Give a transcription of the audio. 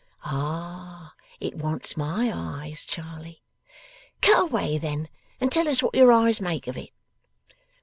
'Ah! It wants my eyes, Charley.' 'Cut away then, and tell us what your eyes make of it.